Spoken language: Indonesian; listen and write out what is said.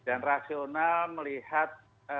dan rasional melihat